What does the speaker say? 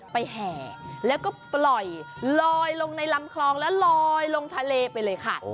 แห่แล้วก็ปล่อยลอยลงในลำคลองแล้วลอยลงทะเลไปเลยค่ะ